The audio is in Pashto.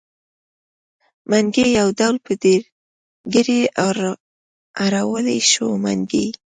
منګی يو ډول په ډېرګړي اړولی شو؛ منګي.